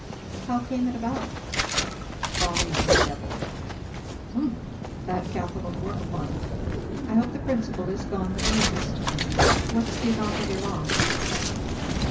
"How came it about?" "Folly and Devilry." "Humph! bad capital to work upon. I hope the principal is gone with the interest. What's the amount of your loss?"